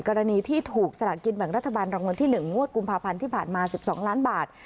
กรณีที่ถูกสลากินแบ่งรัฐบาลรางวัลที่๑งวดกุมภาพันธ์ที่ผ่านมา๑๒ล้านบาท